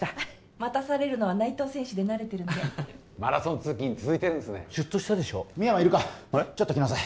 待たされるのは内藤選手で慣れてるんでマラソン通勤続いてるんですねシュッとしたでしょ深山いるかちょっと来なさい